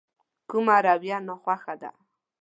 کومه رويه ناخوښه ده.